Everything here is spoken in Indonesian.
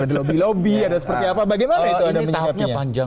ada seperti apa bagaimana itu ada menikapnya